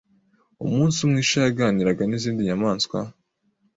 Umunsi umwe isha yaganiraga n'izindi nyamaswa